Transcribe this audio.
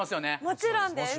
もちろんです。